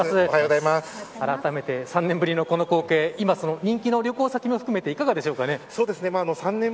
あらためて３年ぶりのこの光景を今人気の旅行先も含めていかがですか。